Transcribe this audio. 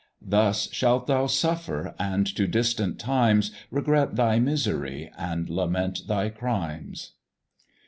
Thus shalt thou suffer, and to distant times Regret thy misery, and lament thy crimes."